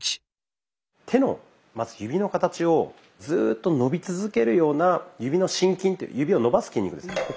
手の指の形をずっと伸び続けるような指の伸筋指を伸ばす筋肉ですね。